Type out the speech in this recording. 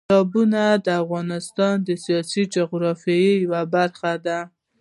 سیلابونه د افغانستان د سیاسي جغرافیې یوه برخه ده.